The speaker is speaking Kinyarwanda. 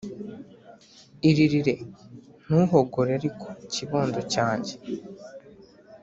Iririre, ntuhogore ariko kibondo cyanjye